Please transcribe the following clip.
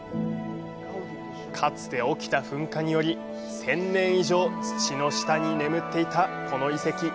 かつて起きた噴火により１０００年以上、土の下に眠っていたこの遺跡。